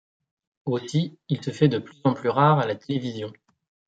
Aussi, il se fait de plus en plus rare à la télévision.